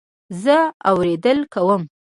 زه اورېدل کوم